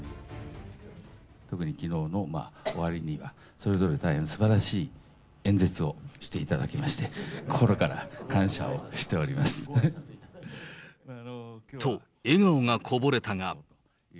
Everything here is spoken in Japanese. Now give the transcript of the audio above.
特にきのうの終わりには、それぞれ大変すばらしい演説をしていただきまして、心から感謝をと、笑顔がこぼれたが。